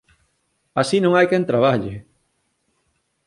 Así non hai quen traballe!